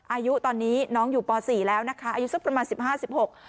อายุตอนนี้น้องอยู่ปสี่แล้วนะคะอายุสักประมาณสิบห้าสิบหก